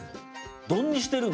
丼にしてるんだ。